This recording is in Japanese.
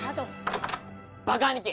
バカ兄貴！